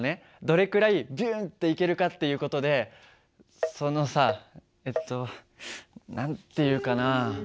どれくらいビュンっていけるかっていう事でそのさえっと何て言うかな。